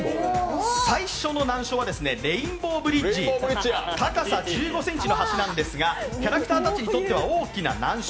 最初の難所はレインボーブリッジ高さ１５ｃｍの橋なんですが、キャラクターたちにとっては大きな難所。